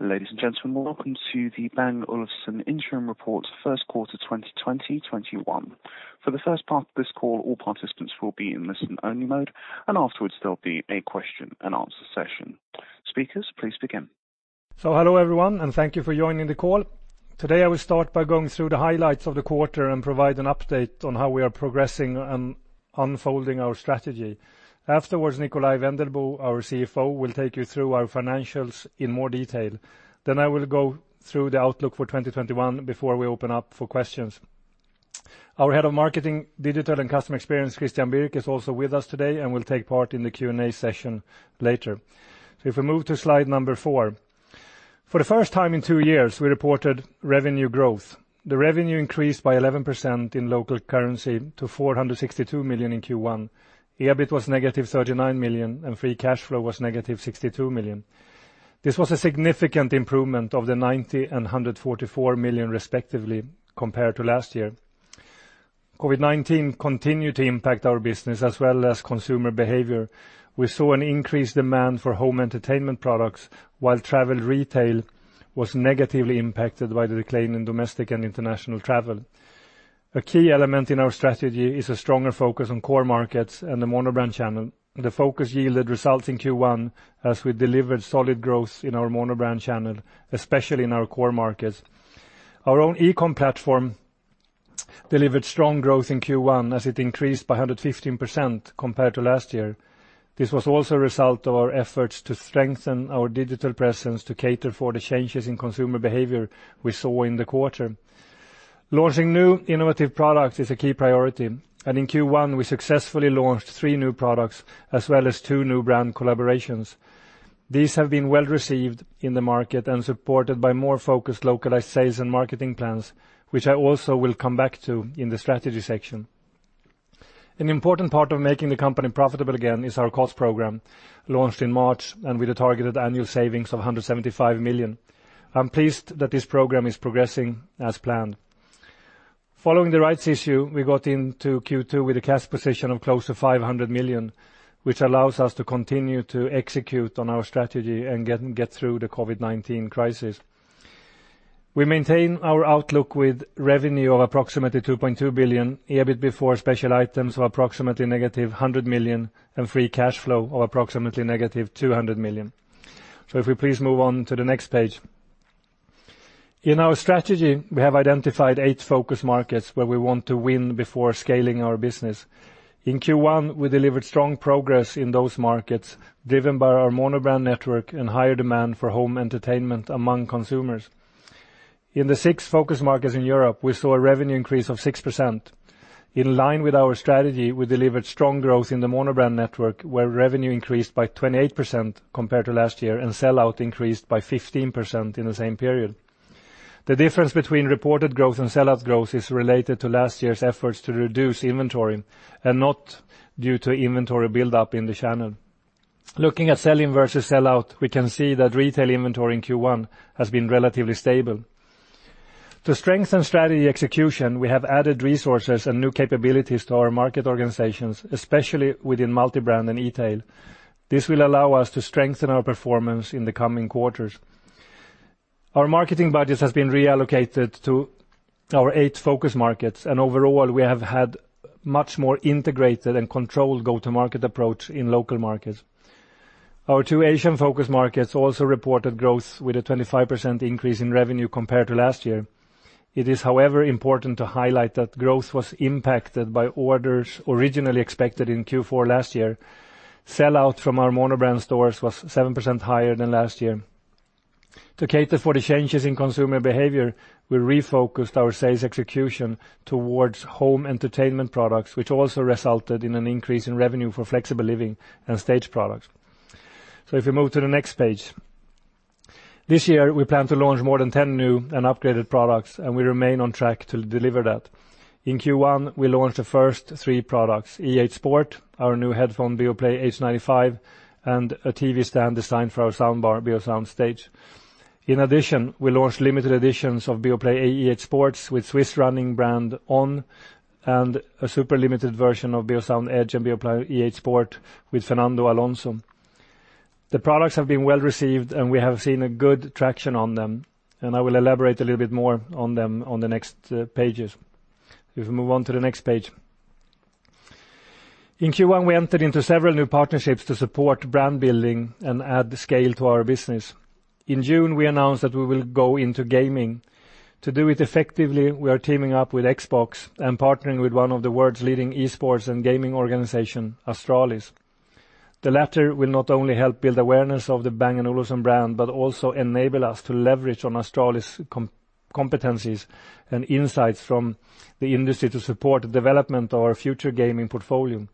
Ladies and gentlemen, welcome to the Bang & Olufsen Interim Report, first quarter, 2021. For the first part of this call, all participants will be in listen-only mode, and afterwards, there'll be a question and answer session. Speakers, please begin. So hello, everyone, and thank you for joining the call. Today, I will start by going through the highlights of the quarter and provide an update on how we are progressing and unfolding our strategy. Afterwards, Nikolaj Wendelboe, our CFO, will take you through our financials in more detail. Then I will go through the outlook for 2021 before we open up for questions. Our head of marketing, digital, and customer experience, Christian Birk, is also with us today and will take part in the Q&A session later. So if we move to slide number four. For the first time in two years, we reported revenue growth. The revenue increased by 11% in local currency to 462 million in Q1. EBIT was -39 million, and free cash flow was -62 million. This was a significant improvement of 90 million and 144 million, respectively, compared to last year. COVID-19 continued to impact our business as well as consumer behavior. We saw an increased demand for home entertainment products, while travel retail was negatively impacted by the decline in domestic and international travel. A key element in our strategy is a stronger focus on core markets and the monobrand channel. The focus yielded results in Q1 as we delivered solid growth in our monobrand channel, especially in our core markets. Our own e-com platform delivered strong growth in Q1 as it increased by 115% compared to last year. This was also a result of our efforts to strengthen our digital presence to cater for the changes in consumer behavior we saw in the quarter. Launching new innovative products is a key priority, and in Q1, we successfully launched three new products, as well as two new brand collaborations. These have been well-received in the market and supported by more focused localized sales and marketing plans, which I also will come back to in the strategy section. An important part of making the company profitable again is our cost program, launched in March and with a targeted annual savings of 175 million. I'm pleased that this program is progressing as planned. Following the rights issue, we got into Q2 with a cash position of close to 500 million, which allows us to continue to execute on our strategy and get through the COVID-19 crisis. We maintain our outlook with revenue of approximately 2.2 billion, EBIT before special items of approximately -100 million, and free cash flow of approximately -200 million. So if we please move on to the next page. In our strategy, we have identified eight focus markets where we want to win before scaling our business. In Q1, we delivered strong progress in those markets, driven by our monobrand network and higher demand for home entertainment among consumers. In the six focus markets in Europe, we saw a revenue increase of 6%. In line with our strategy, we delivered strong growth in the monobrand network, where revenue increased by 28% compared to last year, and sell-out increased by 15% in the same period. The difference between reported growth and sell-out growth is related to last year's efforts to reduce inventory and not due to inventory buildup in the channel. Looking at sell-in versus sell-out, we can see that retail inventory in Q1 has been relatively stable. To strengthen strategy execution, we have added resources and new capabilities to our market organizations, especially within multi-brand and e-tail. This will allow us to strengthen our performance in the coming quarters. Our marketing budget has been reallocated to our eight focus markets, and overall, we have had much more integrated and controlled go-to-market approach in local markets. Our two Asian focus markets also reported growth with a 25% increase in revenue compared to last year. It is, however, important to highlight that growth was impacted by orders originally expected in Q4 last year. Sell-out from our monobrand stores was 7% higher than last year. To cater for the changes in consumer behavior, we refocused our sales execution towards home entertainment products, which also resulted in an increase in revenue for flexible living and Staged products. So if we move to the next page. This year, we plan to launch more than 10 new and upgraded products, and we remain on track to deliver that. In Q1, we launched the first three products, E8 Sport, our new headphone, Beoplay H95, and a TV stand designed for our soundbar, Beosound Stage. In addition, we launched limited editions of Beoplay E8 Sport with Swiss running brand On, and a super limited version of Beosound Edge and Beoplay E8 Sport with Fernando Alonso. The products have been well-received, and we have seen a good traction on them, and I will elaborate a little bit more on them on the next pages. If we move on to the next page. In Q1, we entered into several new partnerships to support brand building and add scale to our business. In June, we announced that we will go into gaming. To do it effectively, we are teaming up with Xbox and partnering with one of the world's leading esports and gaming organization, Astralis. The latter will not only help build awareness of the Bang & Olufsen brand, but also enable us to leverage on Astralis' competencies and insights from the industry to support the development of our future gaming portfolio.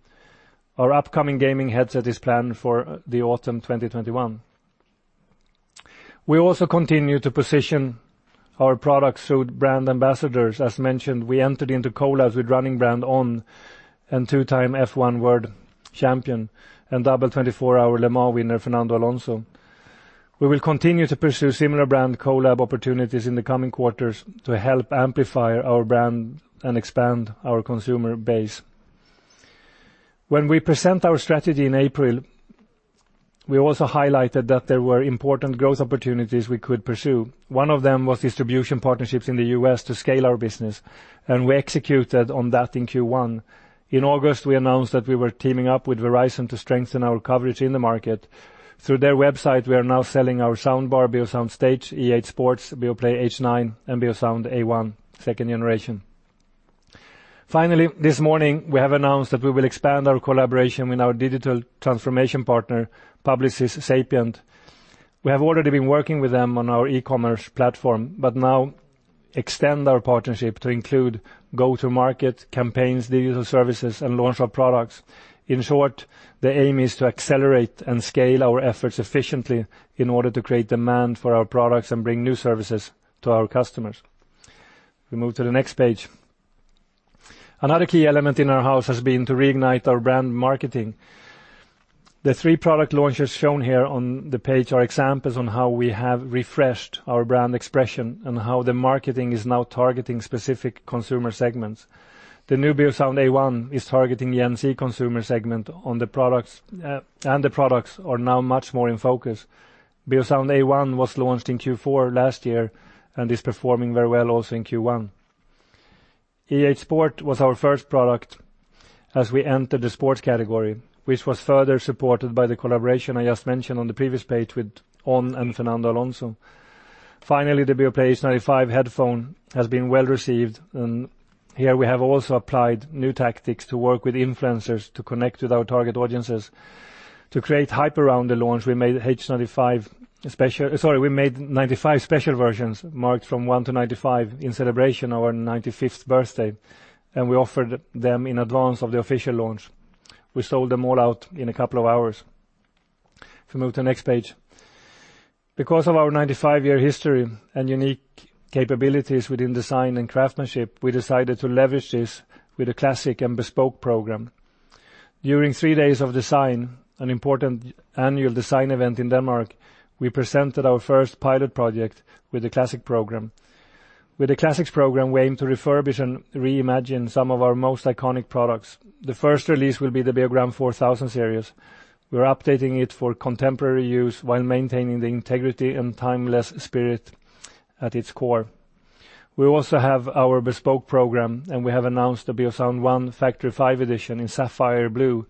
Our upcoming gaming headset is planned for the autumn 2021. We also continue to position our products through brand ambassadors. As mentioned, we entered into collabs with running brand On and two-time F1 World Champion and double 24-hour Le Mans winner, Fernando Alonso. We will continue to pursue similar brand collab opportunities in the coming quarters to help amplify our brand and expand our consumer base. When we present our strategy in April, we also highlighted that there were important growth opportunities we could pursue. One of them was distribution partnerships in the U.S. to scale our business, and we executed on that in Q1. In August, we announced that we were teaming up with Verizon to strengthen our coverage in the market. Through their website, we are now selling our soundbar, Beosound Stage, Beoplay E8 Sport, Beoplay H9, and Beosound A1, second generation. Finally, this morning, we have announced that we will expand our collaboration with our digital transformation partner, Publicis Sapient. We have already been working with them on our e-commerce platform, but now extend our partnership to include go-to-market campaigns, digital services, and launch of products. In short, the aim is to accelerate and scale our efforts efficiently in order to create demand for our products and bring new services to our customers. We move to the next page. Another key element in our house has been to reignite our brand marketing. The three product launches shown here on the page are examples on how we have refreshed our brand expression, and how the marketing is now targeting specific consumer segments. The new Beosound A1 is targeting the NC consumer segment on the products, and the products are now much more in focus. Beosound A1 was launched in Q4 last year and is performing very well also in Q1. E8 Sport was our first product as we entered the sports category, which was further supported by the collaboration I just mentioned on the previous page with On and Fernando Alonso. Finally, the Beoplay H95 headphone has been well-received, and here we have also applied new tactics to work with influencers to connect with our target audiences. To create hype around the launch, we made H95 special—sorry, we made 95 special versions, marked from 1-95 in celebration of our 95th birthday, and we offered them in advance of the official launch. We sold them all out in a couple of hours. If we move to the next page. Because of our 95-year history and unique capabilities within design and craftsmanship, we decided to leverage this with a classic and bespoke program. During Three Days of Design, an important annual design event in Denmark, we presented our first pilot project with the classic program. With the classics program, we aim to refurbish and reimagine some of our most iconic products. The first release will be the Beogram 4000 series. We're updating it for contemporary use while maintaining the integrity and timeless spirit at its core. We also have our Bespoke Program, and we have announced the Beosound 1 Factory 5 Edition in sapphire blue.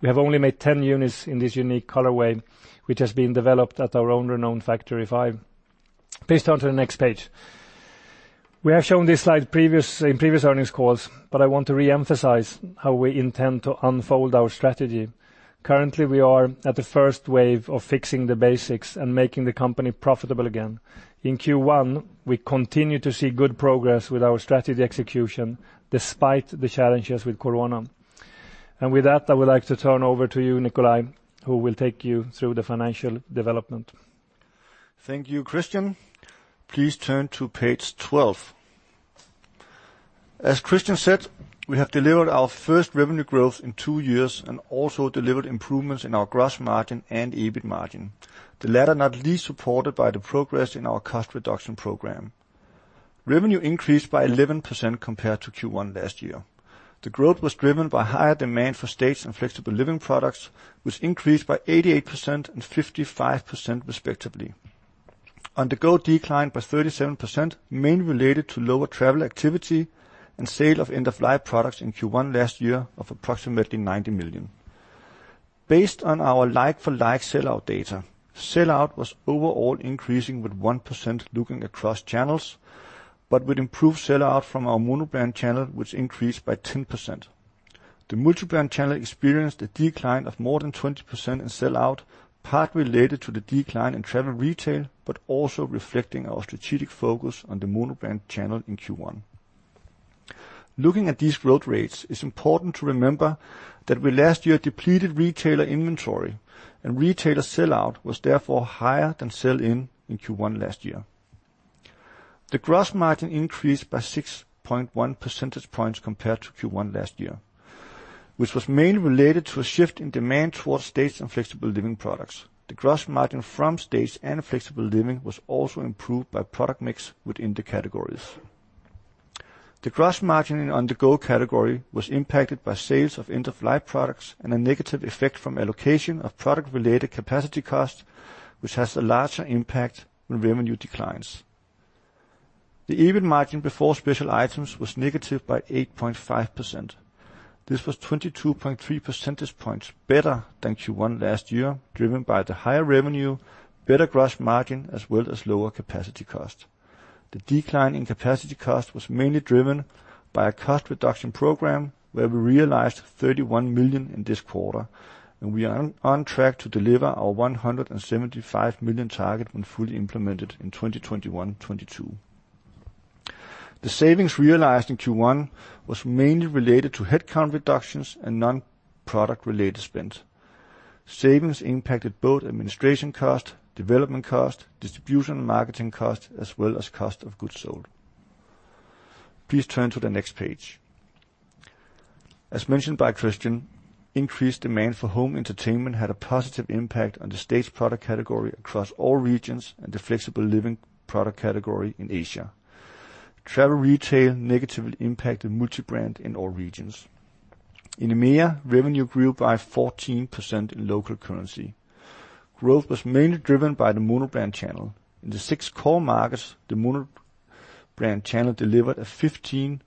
We have only made 10 units in this unique colorway, which has been developed at our own renowned Factory 5. Please turn to the next page. We have shown this slide previously, in previous earnings calls, but I want to re-emphasize how we intend to unfold our strategy. Currently, we are at the first wave of fixing the basics and making the company profitable again. In Q1, we continue to see good progress with our strategy execution, despite the challenges with Corona. And with that, I would like to turn over to you, Nikolaj, who will take you through the financial development. Thank you, Kristian. Please turn to page 12. As Kristian said, we have delivered our first revenue growth in two years and also delivered improvements in our gross margin and EBIT margin. The latter, not least, supported by the progress in our cost reduction program. Revenue increased by 11% compared to Q1 last year. The growth was driven by higher demand for staged and flexible living products, which increased by 88% and 55%, respectively. On-the-Go declined by 37%, mainly related to lower travel activity and sale of end-of-life products in Q1 last year of approximately 90 million. Based on our like-for-like sell-out data, sell-out was overall increasing with 1% looking across channels, but with improved sell-out from our monobrand channel, which increased by 10%. The multi-brand channel experienced a decline of more than 20% in sell-out, partly related to the decline in travel retail, but also reflecting our strategic focus on the monobrand channel in Q1. Looking at these growth rates, it's important to remember that we last year depleted retailer inventory, and retailer sell-out was therefore higher than sell-in, in Q1 last year. The gross margin increased by 6.1 percentage points compared to Q1 last year, which was mainly related to a shift in demand towards staged and flexible living products. The gross margin from staged and flexible living was also improved by product mix within the categories. The gross margin in On-the-go category was impacted by sales of end-of-life products and a negative effect from allocation of product-related capacity cost, which has a larger impact when revenue declines. The EBIT margin before special items was negative by 8.5%. This was 22.3 percentage points better than Q1 last year, driven by the higher revenue, better gross margin, as well as lower capacity cost. The decline in capacity cost was mainly driven by a cost reduction program, where we realized 31 million in this quarter, and we are on track to deliver our 175 million target when fully implemented in 2021, 2022. The savings realized in Q1 was mainly related to headcount reductions and non-product-related spend. Savings impacted both administration cost, development cost, distribution and marketing cost, as well as cost of goods sold. Please turn to the next page. As mentioned by Kristian, increased demand for home entertainment had a positive impact on the Staged product category across all regions and the Flexible Living product category in Asia. Travel retail negatively impacted multi-brand in all regions. In EMEA, revenue grew by 14% in local currency. Growth was mainly driven by the monobrand channel. In the six core markets, the monobrand channel delivered a 15%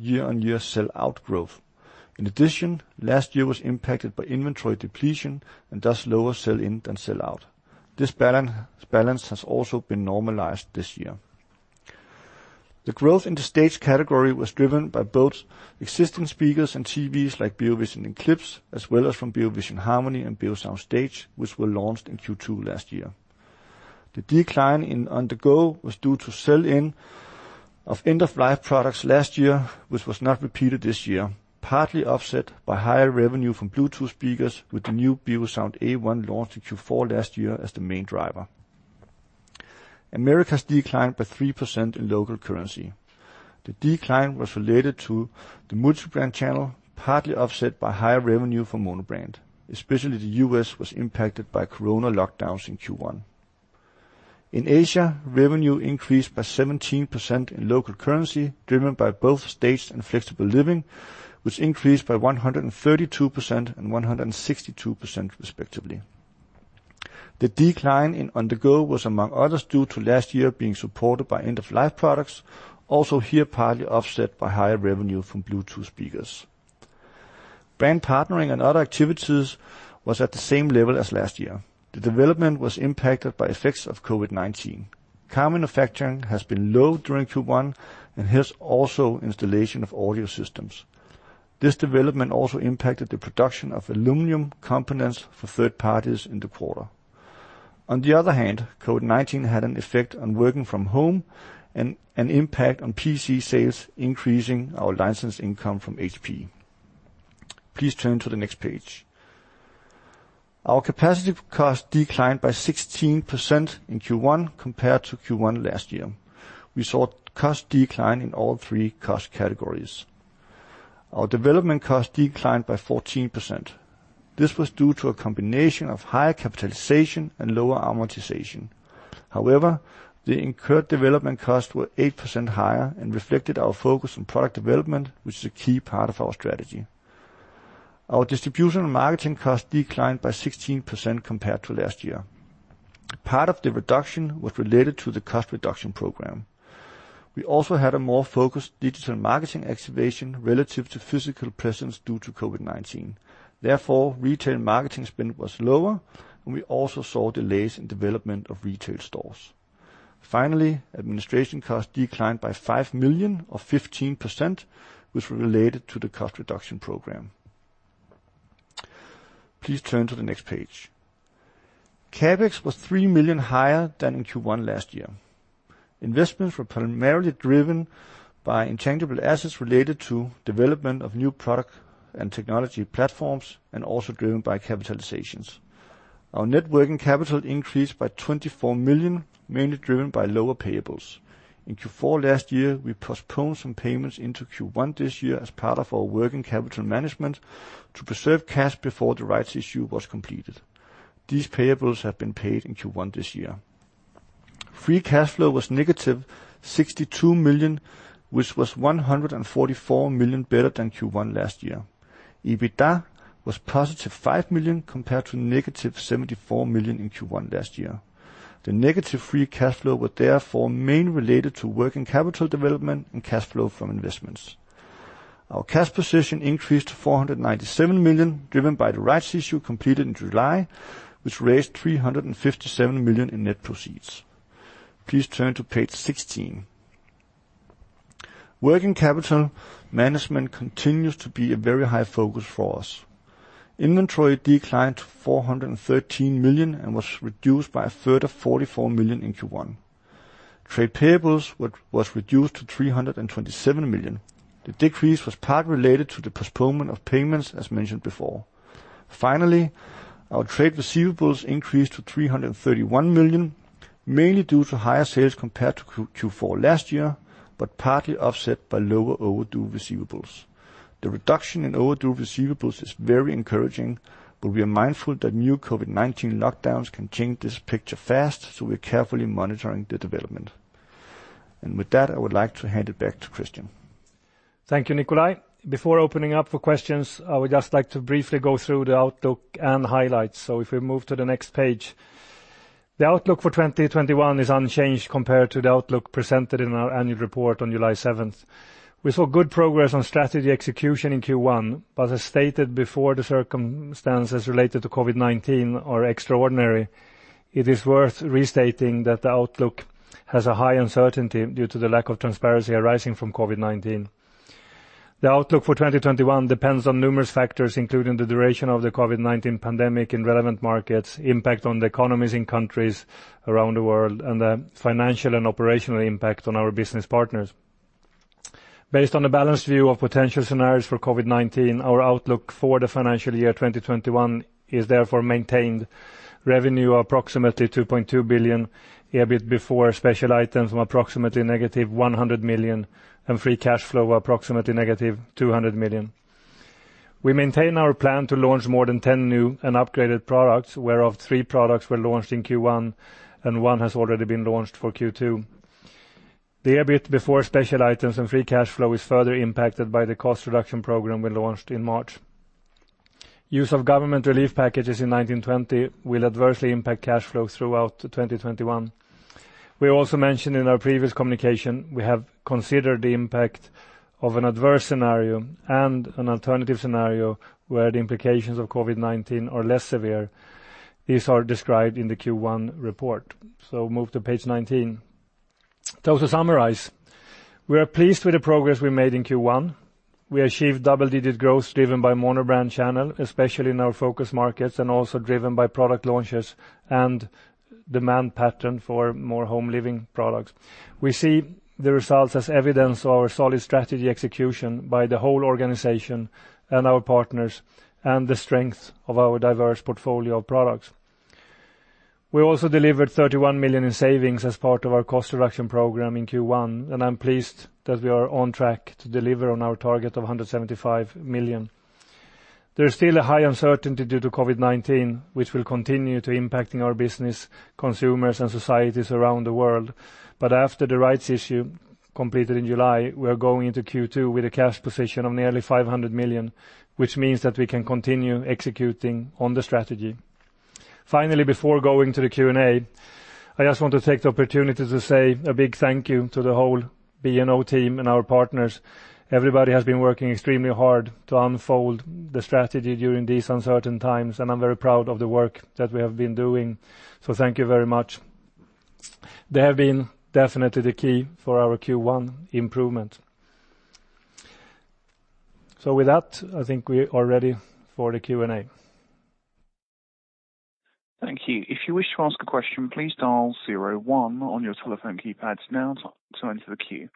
year-on-year sell-out growth. In addition, last year was impacted by inventory depletion and thus lower sell-in than sell-out. This balance has also been normalized this year. The growth in the Staged category was driven by both existing speakers and TVs, like Beovision Eclipse, as well as from Beovision Harmony and Beosound Stage, which were launched in Q2 last year. The decline in On-the-go was due to sell-in of end-of-life products last year, which was not repeated this year, partly offset by higher revenue from Bluetooth speakers with the new Beosound A1 launched in Q4 last year as the main driver. Americas declined by 3% in local currency. The decline was related to the Multi-brand channel, partly offset by higher revenue from Monobrand. Especially the US was impacted by COVID-19 lockdowns in Q1. In Asia, revenue increased by 17% in local currency, driven by both Staged and Flexible Living, which increased by 132% and 162%, respectively. The decline in On-the-go was, among others, due to last year being supported by end-of-life products, also here, partly offset by higher revenue from Bluetooth speakers. Brand partnering and other activities was at the same level as last year. The development was impacted by effects of COVID-19. Car manufacturing has been low during Q1, and hence, also installation of audio systems. This development also impacted the production of aluminum components for third parties in the quarter. On the other hand, COVID-19 had an effect on working from home and an impact on PC sales, increasing our license income from HP. Please turn to the next page. Our capacity cost declined by 16% in Q1 compared to Q1 last year. We saw cost decline in all three cost categories. Our development cost declined by 14%. This was due to a combination of higher capitalization and lower amortization. However, the incurred development costs were 8% higher and reflected our focus on product development, which is a key part of our strategy. Our distribution and marketing costs declined by 16% compared to last year. Part of the reduction was related to the cost reduction program. We also had a more focused digital marketing activation relative to physical presence due to COVID-19. Therefore, retail marketing spend was lower, and we also saw delays in development of retail stores. Finally, administration costs declined by 5 million, or 15%, which were related to the cost reduction program. Please turn to the next page. CapEx was 3 million higher than in Q1 last year. Investments were primarily driven by intangible assets related to development of new product and technology platforms, and also driven by capitalizations. Our net working capital increased by 24 million, mainly driven by lower payables. In Q4 last year, we postponed some payments into Q1 this year as part of our working capital management to preserve cash before the rights issue was completed. These payables have been paid in Q1 this year. Free cash flow was -62 million, which was 144 million better than Q1 last year. EBITDA was +5 million, compared to -74 million in Q1 last year. The negative free cash flow was therefore mainly related to working capital development and cash flow from investments. Our cash position increased to 497 million, driven by the rights issue completed in July, which raised 357 million in net proceeds. Please turn to page 16. Working capital management continues to be a very high focus for us. Inventory declined to 413 million and was reduced by a further 44 million in Q1. Trade payables was reduced to 327 million. The decrease was partly related to the postponement of payments, as mentioned before. Finally, our trade receivables increased to 331 million, mainly due to higher sales compared to Q4 last year, but partly offset by lower overdue receivables. The reduction in overdue receivables is very encouraging, but we are mindful that new COVID-19 lockdowns can change this picture fast, so we're carefully monitoring the development. With that, I would like to hand it back to Kristian Teär. Thank you, Nikolaj. Before opening up for questions, I would just like to briefly go through the outlook and highlights. If we move to the next page. The outlook for 2021 is unchanged compared to the outlook presented in our annual report on July 7. We saw good progress on strategy execution in Q1, but as stated before, the circumstances related to COVID-19 are extraordinary. It is worth restating that the outlook has a high uncertainty due to the lack of transparency arising from COVID-19. The outlook for 2021 depends on numerous factors, including the duration of the COVID-19 pandemic in relevant markets, impact on the economies in countries around the world, and the financial and operational impact on our business partners. Based on a balanced view of potential scenarios for COVID-19, our outlook for the financial year 2021 is therefore maintained. Revenue approximately 2.2 billion, EBIT before special items from approximately -100 million, and free cash flow approximately -200 million. We maintain our plan to launch more than 10 new and upgraded products, whereof three products were launched in Q1, and one has already been launched for Q2. The EBIT before special items and free cash flow is further impacted by the cost reduction program we launched in March. Use of government relief packages in 2020 will adversely impact cash flow throughout 2021. We also mentioned in our previous communication, we have considered the impact of an adverse scenario and an alternative scenario where the implications of COVID-19 are less severe. These are described in the Q1 report. Move to page 19. To summarize, we are pleased with the progress we made in Q1. We achieved double-digit growth, driven by Monobrand channel, especially in our focus markets, and also driven by product launches and demand pattern for more home living products. We see the results as evidence of our solid strategy execution by the whole organization and our partners, and the strength of our diverse portfolio of products. We also delivered 31 million in savings as part of our cost reduction program in Q1, and I'm pleased that we are on track to deliver on our target of 175 million. There is still a high uncertainty due to COVID-19, which will continue to impacting our business, consumers, and societies around the world. But after the Rights Issue completed in July, we are going into Q2 with a cash position of nearly 500 million, which means that we can continue executing on the strategy. Finally, before going to the Q&A, I just want to take the opportunity to say a big thank you to the whole B&O team and our partners. Everybody has been working extremely hard to unfold the strategy during these uncertain times, and I'm very proud of the work that we have been doing, so thank you very much. They have been definitely the key for our Q1 improvement. With that, I think we are ready for the Q&A. Thank you. If you wish to ask a question, please dial zero one on your telephone keypad now to enter the queue.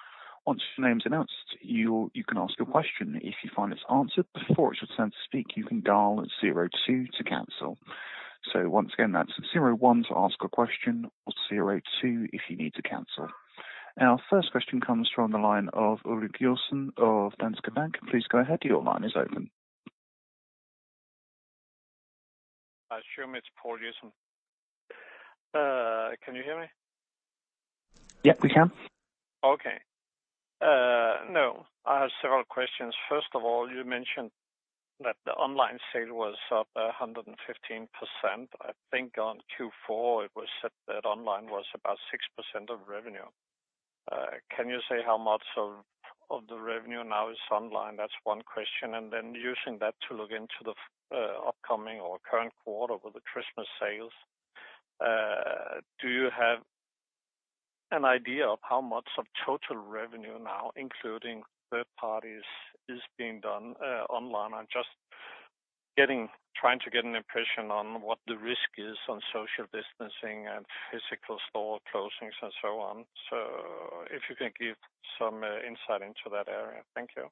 Once your name is announced, you can ask a question. If you find it's answered before it's your turn to speak, you can dial zero two to cancel. So once again, that's zero one to ask a question or zero two if you need to cancel. Our first question comes from the line of Poul Jessen of Danske Bank. Please go ahead, your line is open. I assume it's Poul Jessen. Can you hear me? Yeah, we can. Okay, now, I have several questions. First of all, you mentioned that the online sale was up 115%. I think on Q4, it was said that online was about 6% of revenue. Can you say how much of, of the revenue now is online? That's one question, and then using that to look into the, upcoming or current quarter with the Christmas sales, do you have an idea of how much of total revenue now, including third parties, is being done, online? I'm just getting, trying to get an impression on what the risk is on social distancing and physical store closings, and so on. So if you can give some insight into that area. Thank you.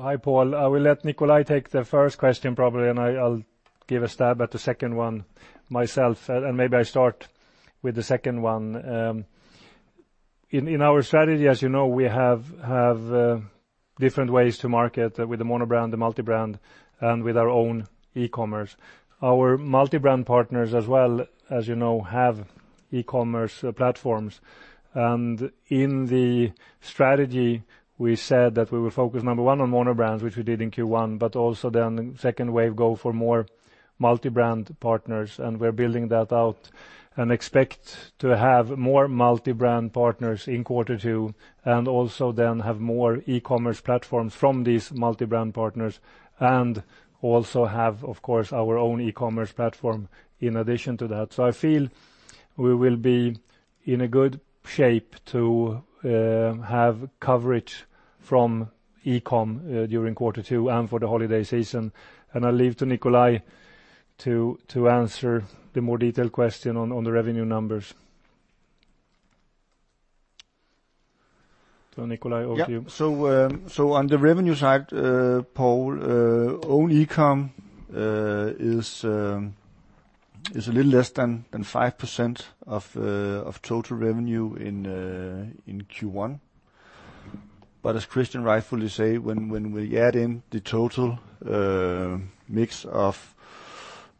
Hi, Paul. I will let Nicolai take the first question, probably, and I'll give a stab at the second one myself, and maybe I start with the second one. In our strategy, as you know, we have different ways to market with the Monobrand, the Multi-brand, and with our own e-commerce. Our Multi-brand partners as well, as you know, have e-commerce platforms. And in the strategy, we said that we will focus, number one, on Monobrand, which we did in Q1, but also then the second wave, go for more Multi-brand partners, and we're building that out, and expect to have more Multi-brand partners in quarter two, and also then have more e-commerce platforms from these Multi-brand partners, and also have, of course, our own e-commerce platform in addition to that. So I feel we will be in a good shape to have coverage from e-com during quarter two and for the holiday season. I leave to Nikolaj to answer the more detailed question on the revenue numbers. Nikolaj, over to you. Yeah. So, on the revenue side, Poul, our own e-com is a little less than 5% of total revenue in Q1. But as Kristian rightfully say, when we add in the total mix of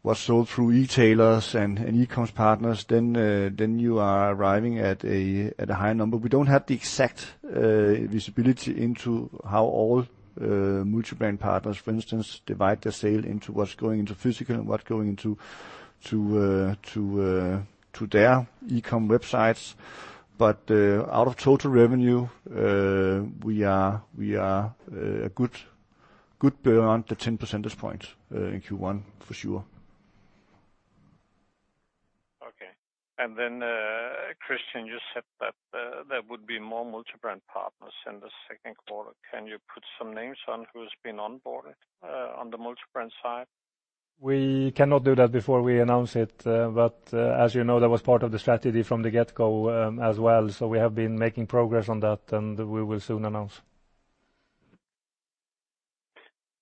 what's sold through e-tailers and e-com partners, then you are arriving at a high number. We don't have the exact visibility into how all multi-brand partners, for instance, divide their sale into what's going into physical and what's going into their e-com websites. But, out of total revenue, we are well beyond the 10 percentage points in Q1, for sure. Okay. And then, Kristian, you said that there would be more multi-brand partners in the second quarter. Can you put some names on who's been onboarded, on the multi-brand side? We cannot do that before we announce it, but, as you know, that was part of the strategy from the get-go, as well. So we have been making progress on that, and we will soon announce.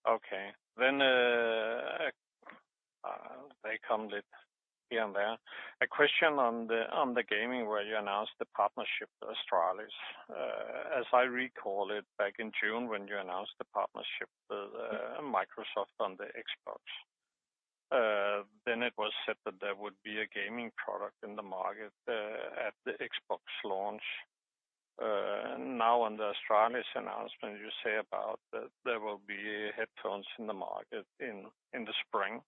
Okay. Then I come with here and there. A question on the gaming, where you announced the partnership with Astralis. As I recall it, back in June, when you announced the partnership with Microsoft on the Xbox, then it was said that there would be a gaming product in the market at the Xbox launch. Now on the Astralis announcement, you say about that there will be headphones in the market in the spring.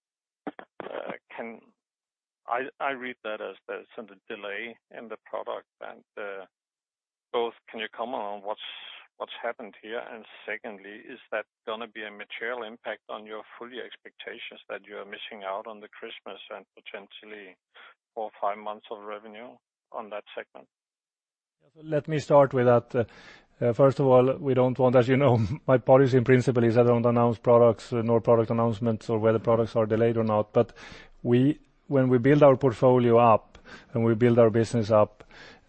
I read that as there's some delay in the product. And both, can you comment on what's happened here? And secondly, is that gonna be a material impact on your full year expectations that you are missing out on the Christmas and potentially four, five months of revenue on that segment? Let me start with that. First of all, we don't want, as you know, my policy in principle is I don't announce products, no product announcements or whether products are delayed or not. But when we build our portfolio up and we build our business up,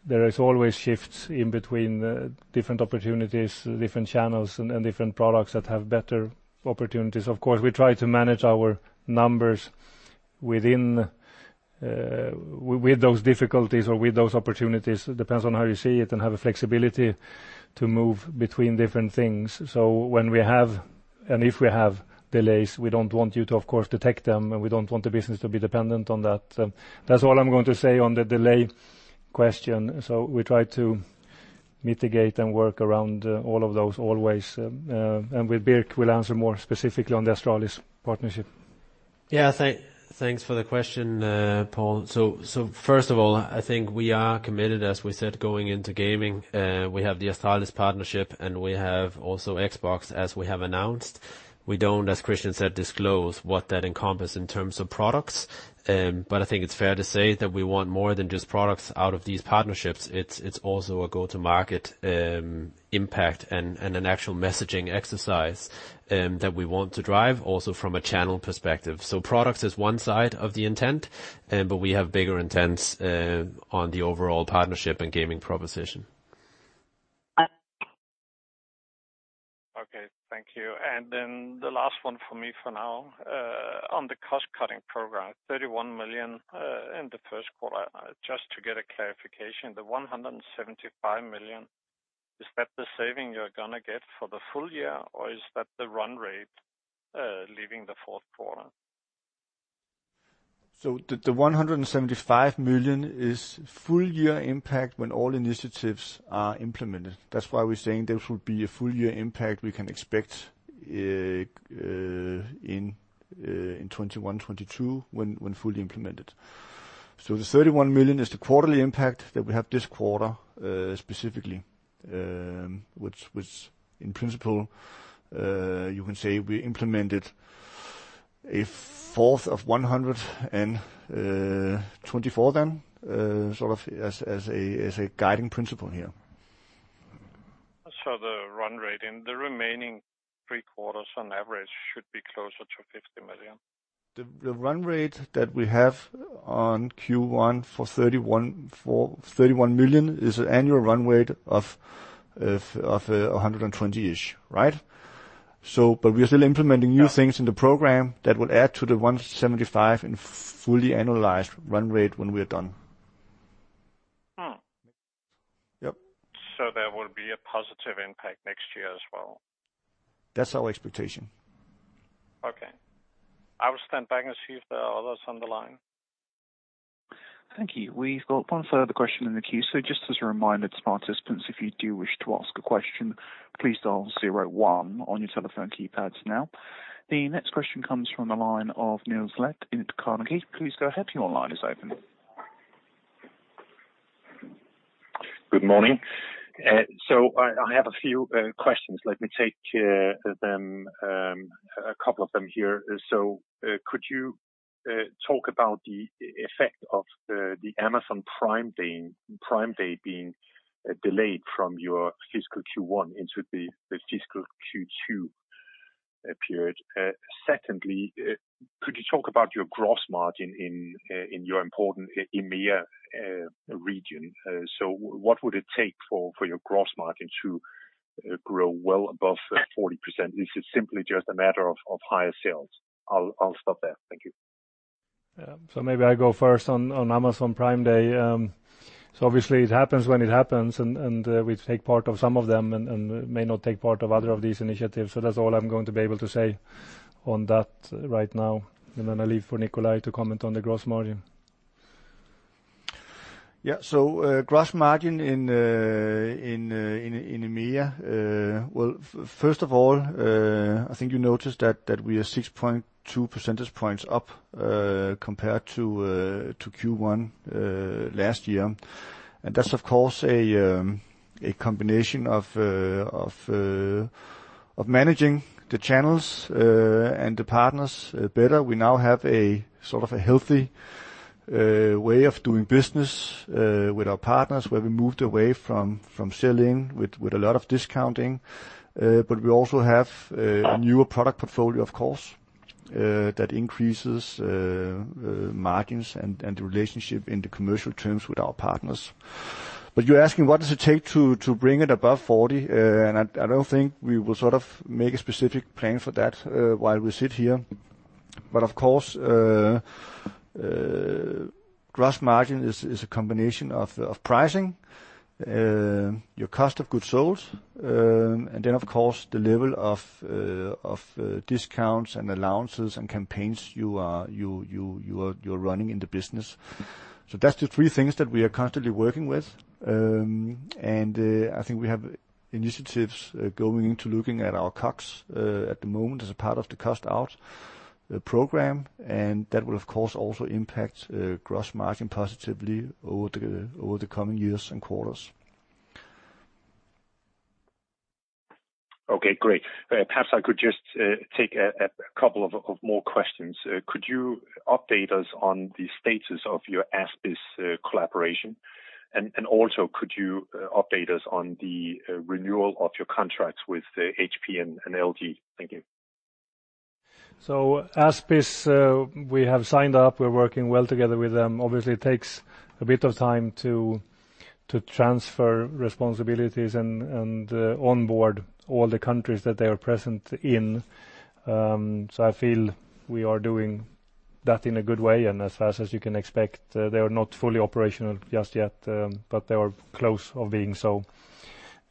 there is always shifts in between different opportunities, different channels, and different products that have better opportunities. Of course, we try to manage our numbers within with those difficulties or with those opportunities, it depends on how you see it, and have a flexibility to move between different things. So when we have, and if we have delays, we don't want you to, of course, detect them, and we don't want the business to be dependent on that. That's all I'm going to say on the delay question. So we try to mitigate and work around all of those always. And with Birk, we'll answer more specifically on the Astralis partnership. Yeah, thanks for the question, Poul. So first of all, I think we are committed, as we said, going into gaming. We have the Astralis partnership, and we have also Xbox, as we have announced. We don't, as Kristian said, disclose what that encompass in terms of products. But I think it's fair to say that we want more than just products out of these partnerships. It's also a go-to-market impact and an actual messaging exercise that we want to drive also from a channel perspective. So products is one side of the intent, but we have bigger intents on the overall partnership and gaming proposition. Okay, thank you. Then the last one for me for now, on the cost-cutting program, 31 million in the first quarter. Just to get a clarification, the 175 million, is that the saving you're gonna get for the full year, or is that the run rate, leaving the fourth quarter? So the 175 million is full year impact when all initiatives are implemented. That's why we're saying this would be a full year impact we can expect in 2021, 2022, when fully implemented. So the 31 million is the quarterly impact that we have this quarter, specifically, which in principle you can say we implemented a fourth of 124 million then, sort of as a guiding principle here. The run rate in the remaining three quarters on average should be closer to 50 million? The run rate that we have on Q1 for 31 million is an annual run rate of 120-ish million, right? But we are still implementing new things in the program that will add to the 175 million in fully annualized run rate when we are done. Hmm. Yep. So there will be a positive impact next year as well? That's our expectation. Okay. I will stand back and see if there are others on the line. Thank you. We've got one further question in the queue. So just as a reminder to participants, if you do wish to ask a question, please dial zero-one on your telephone keypads now. The next question comes from the line of Niels Granholm-Leth at Carnegie. Please go ahead. Your line is open. Good morning. So I have a few questions. Let me take a couple of them here. So could you talk about the effect of the Amazon Prime Day, Prime Day being delayed from your fiscal Q1 into the fiscal Q2 period? Secondly, could you talk about your gross margin in your important EMEA region? So what would it take for your gross margin to grow well above 40%? Is it simply just a matter of higher sales? I'll stop there. Thank you. Yeah. So maybe I go first on, on Amazon Prime Day. So obviously it happens when it happens, and, and, we take part of some of them and, and may not take part of other of these initiatives. So that's all I'm going to be able to say on that right now. And then I leave for Nikolaj to comment on the gross margin. Yeah. So, gross margin in EMEA, well, first of all, I think you noticed that we are 6.2 percentage points up, compared to Q1 last year. And that's, of course, a combination of managing the channels and the partners better. We now have a sort of a healthy way of doing business with our partners, where we moved away from selling with a lot of discounting. But we also have a newer product portfolio, of course, that increases margins and the relationship in the commercial terms with our partners. But you're asking, what does it take to bring it above 40? And I don't think we will sort of make a specific plan for that while we sit here. But of course, gross margin is a combination of pricing, your cost of goods sold, and then, of course, the level of discounts and allowances and campaigns you are running in the business. So that's the three things that we are constantly working with. I think we have initiatives going into looking at our costs at the moment as a part of the cost out program, and that will, of course, also impact gross margin positively over the coming years and quarters. Okay, great. Perhaps I could just take a couple of more questions. Could you update us on the status of your ASBIS collaboration? And also, could you update us on the renewal of your contracts with HP and LG? Thank you. So ASBIS, we have signed up. We're working well together with them. Obviously, it takes a bit of time to transfer responsibilities and onboard all the countries that they are present in. So I feel we are doing that in a good way and as fast as you can expect. They are not fully operational just yet, but they are close to being so.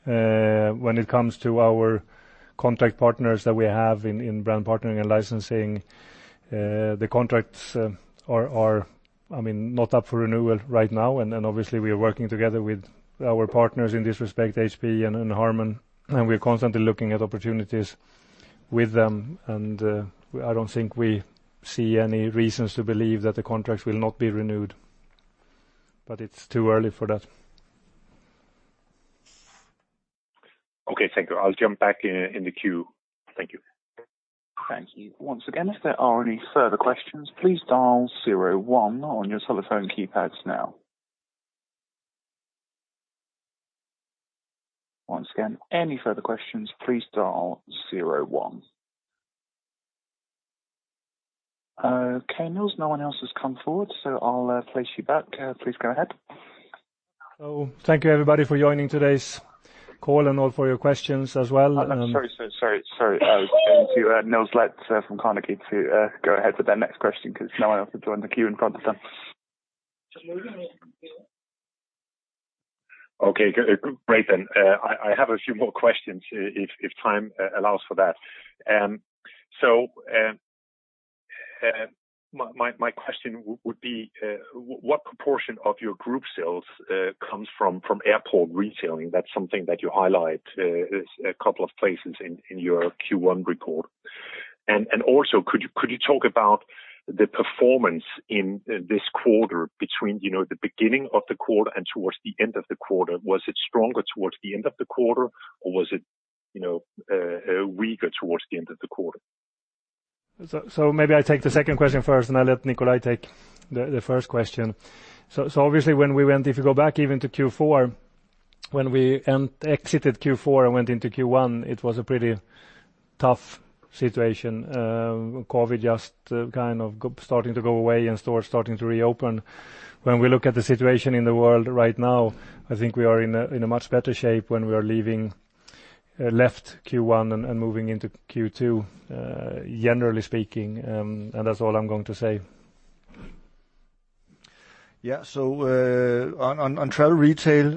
When it comes to our contract partners that we have in brand partnering and licensing, the contracts are, I mean, not up for renewal right now, and then, obviously, we are working together with our partners in this respect, HP and Harman, and we're constantly looking at opportunities with them. And I don't think we see any reasons to believe that the contracts will not be renewed, but it's too early for that. Okay, thank you. I'll jump back in the queue. Thank you. Thank you. Once again, if there are any further questions, please dial zero one on your telephone keypads now. Once again, any further questions, please dial zero one. Okay, Niels, no one else has come forward, so I'll place you back. Please go ahead. Thank you, everybody, for joining today's call and all for your questions as well. Sorry, going to Niels Granholm-Leth from Carnegie to go ahead with their next question, 'cause now I have to join the queue in front of them. Okay, great, then. I have a few more questions, if time allows for that. So, my question would be, what proportion of your group sales comes from airport retailing? That's something that you highlight a couple of places in your Q1 report. And also, could you talk about the performance in this quarter between, you know, the beginning of the quarter and towards the end of the quarter? Was it stronger towards the end of the quarter, or was it, you know, weaker towards the end of the quarter? So maybe I take the second question first, and I let Nikolaj take the first question. So obviously, when we went, If you go back even to Q4, when we exited Q4 and went into Q1, it was a pretty tough situation. COVID just kind of starting to go away and stores starting to reopen. When we look at the situation in the world right now, I think we are in a much better shape when we are leaving left Q1 and moving into Q2, generally speaking, and that's all I'm going to say. Yeah. So, on travel retail,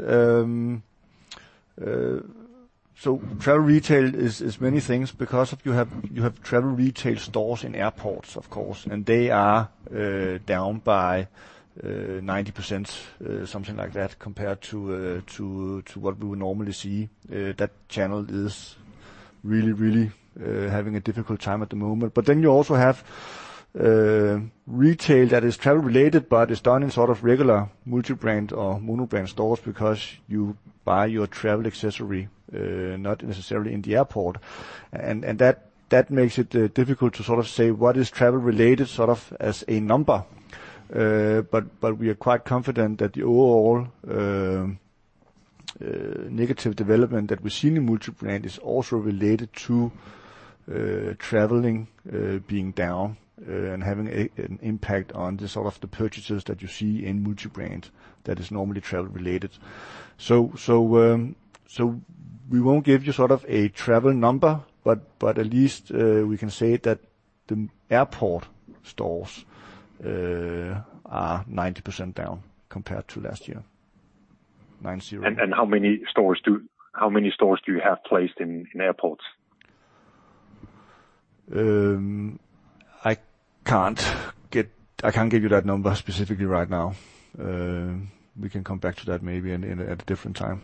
so travel retail is many things because you have travel retail stores in airports, of course, and they are down by 90%, something like that, compared to what we would normally see. That channel is really, really having a difficult time at the moment. But then you also have retail that is travel related, but it's done in sort of regular multi-brand or mono-brand stores, because you buy your travel accessory not necessarily in the airport. And that makes it difficult to sort of say what is travel related, sort of as a number. But, but we are quite confident that the overall negative development that we've seen in Multi-brand is also related to traveling being down and having an impact on the sort of the purchases that you see in Multi-brand that is normally travel-related. So, so, so we won't give you sort of a travel number, but, but at least we can say that the airport stores are 90% down compared to last year. Nine, zero. How many stores do you have placed in airports? I can't give you that number specifically right now. We can come back to that maybe at a different time.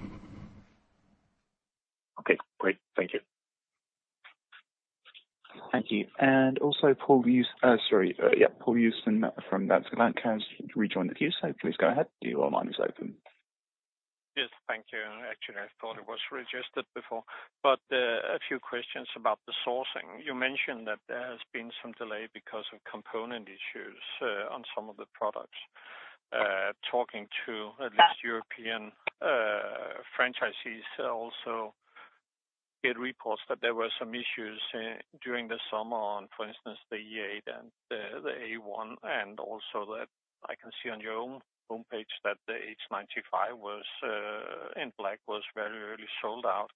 Okay, great. Thank you. Thank you. And also, Poul, sorry, yeah, Poul Jessen from Danske Bank has rejoined the queue, so please go ahead. Your line is open. Yes, thank you. Actually, I thought it was registered before, but a few questions about the sourcing. You mentioned that there has been some delay because of component issues on some of the products. Talking to at least European franchisees, I also get reports that there were some issues during the summer on, for instance, the E8 and the A1, and also that I can see on your own homepage that the H95 in black was very early sold out.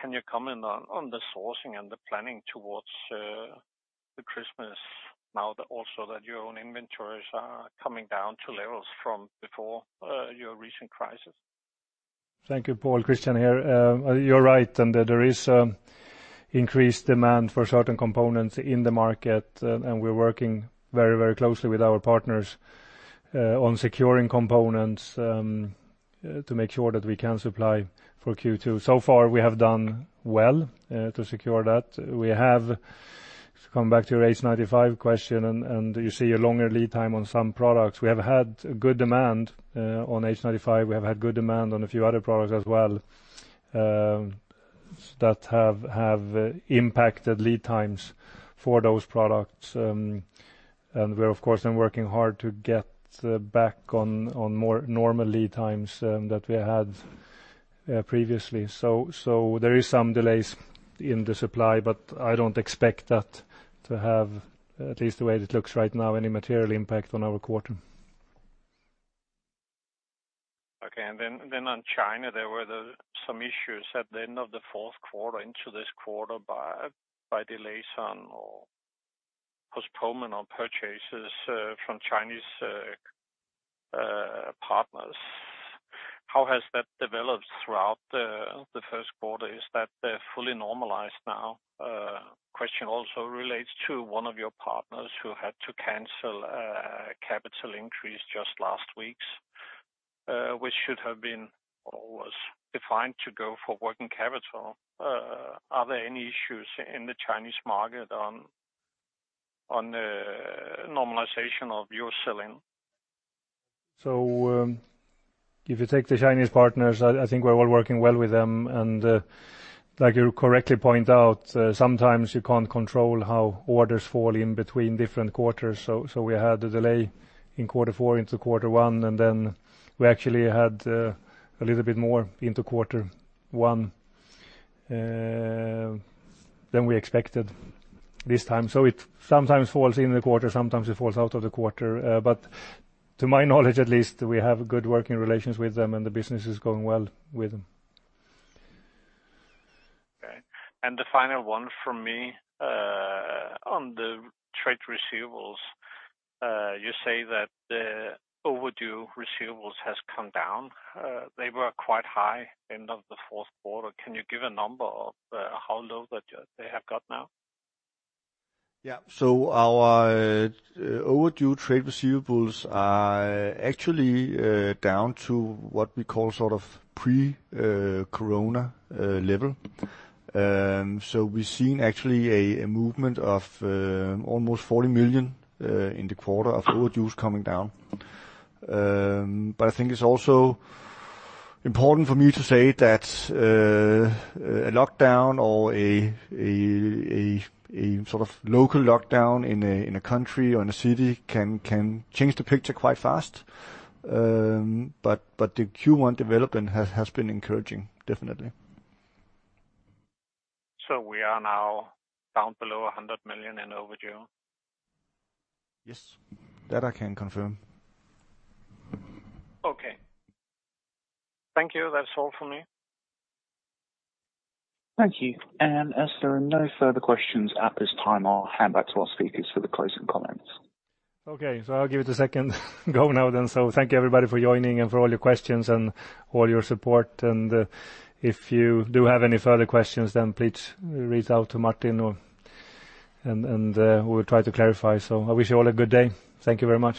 Can you comment on the sourcing and the planning towards the Christmas, now that your own inventories are coming down to levels from before your recent crisis? Thank you, Poul. Kristian here. You're right, and there is increased demand for certain components in the market, and we're working very, very closely with our partners on securing components to make sure that we can supply for Q2. So far, we have done well to secure that. We have, to come back to your H95 question, and you see a longer lead time on some products. We have had good demand on H95. We have had good demand on a few other products as well that have impacted lead times for those products. And we're of course working hard to get back on more normal lead times that we had previously. So, there is some delays in the supply, but I don't expect that to have, at least the way it looks right now, any material impact on our quarter. Okay. And then on China, there were some issues at the end of the fourth quarter into this quarter by delays on or postponement on purchases from Chinese partners. How has that developed throughout the first quarter? Is that fully normalized now? Question also relates to one of your partners who had to cancel a capital increase just last weeks, which should have been or was defined to go for working capital. Are there any issues in the Chinese market on normalization of your selling? So, if you take the Chinese partners, I think we're all working well with them, and like you correctly point out, sometimes you can't control how orders fall in between different quarters. So we had a delay in quarter four into quarter one, and then we actually had a little bit more into quarter one than we expected this time. So it sometimes falls in the quarter, sometimes it falls out of the quarter. But to my knowledge at least, we have good working relations with them, and the business is going well with them. Okay. And the final one from me, on the trade receivables, you say that the overdue receivables has come down. They were quite high at the end of the fourth quarter. Can you give a number on how low they have got now? Yeah. So our overdue trade receivables are actually down to what we call sort of pre-Corona level. So we've seen actually a movement of almost 40 million in the quarter of overdues coming down. But I think it's also important for me to say that a lockdown or a sort of local lockdown in a country or in a city can change the picture quite fast. But the Q1 development has been encouraging, definitely. We are now down below 100 million in overdue? Yes. That I can confirm. Okay. Thank you. That's all for me. Thank you. As there are no further questions at this time, I'll hand back to our speakers for the closing comments. Okay. I'll give it a second go now then. Thank you, everybody, for joining and for all your questions and all your support. If you do have any further questions, then please reach out to Martin or/and we'll try to clarify. I wish you all a good day. Thank you very much.